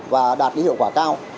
và đạt cái hiệu quả cao